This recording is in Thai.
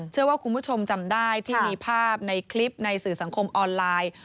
เชื่อว่าคุณผู้ชมจำได้ที่มีภาพในคลิปในสื่อสังคมออนไลน์